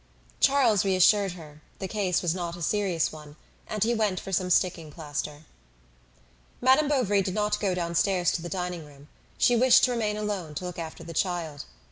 Charles reassured her; the case was not a serious one, and he went for some sticking plaster. Madame Bovary did not go downstairs to the dining room; she wished to remain alone to look after the child.